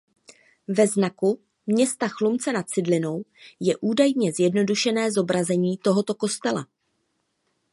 Ve znaku města Chlumce nad Cidlinou je údajně zjednodušené zobrazení tohoto kostela.